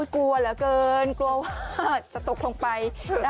กลัวเหลือเกินกลัวว่าจะตกลงไป